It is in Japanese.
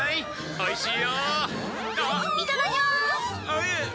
おいしい。